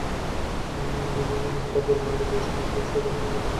ময়নাতদন্তের জন্য নিহত আবদুল মালেকের লাশ কক্সবাজার সদর হাসপাতালে পাঠানো হয়েছে।